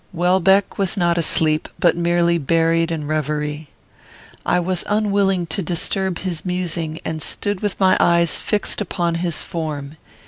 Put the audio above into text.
Welbeck was not asleep, but merely buried in reverie. I was unwilling to disturb his musing, and stood with my eyes fixed upon his form.